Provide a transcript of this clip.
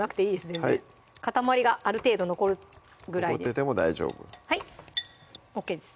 全然塊がある程度残るぐらいで残ってても大丈夫はいＯＫです